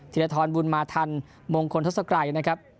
ธิริยธรรมบุญมาธรรมงคลทักษกรายนะครับ